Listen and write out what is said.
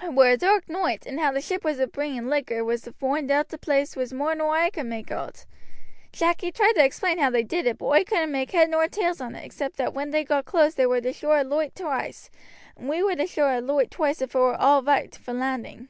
It were a dark noight, and how the ship as was bringing the liquor was to foind oot the place was more nor oi could make oot. Jack he tried to explain how they did it, but oi couldn't make head nor tails on it except that when they got close they war to show a loight twice, and we war to show a loight twice if it war all roight for landing.